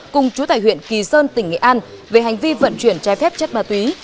cùng chú tài huyện kỳ sơn tỉnh nghệ an về hành vi vận chuyển trái phép chất ma túy